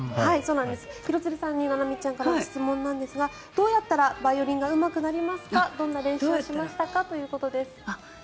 廣津留さんにななみちゃんから質問ですがどうやったらバイオリンがうまくなりますかどんな練習をしましたかということです。